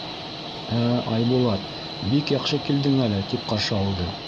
— Ә, Айбулат, бик яҡшы килдең әле, — тип ҡаршы алды.